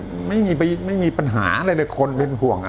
เฮ้ยถ้าไม่มีสัตว์พวกนี้ไม่มีปัญหาอะไรเลยคนเป็นห่วงอะไร